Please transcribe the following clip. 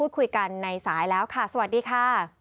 คุยกันในสายแล้วค่ะสวัสดีค่ะ